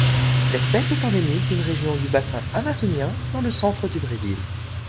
L'espèce est endémique d’une région du bassin amazonien dans le centre du Brésil.